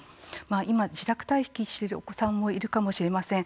今、自宅待機しているお子さんもいるかもしれません。